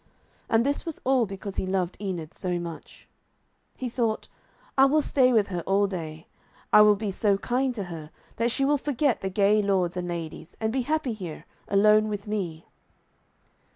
And this was all because he loved Enid so much. He thought, 'I will stay with her all day. I will be so kind to her that she will forget the gay lords and ladies, and be happy here, alone with me.'